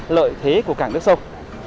lợi thế của cảng đất sông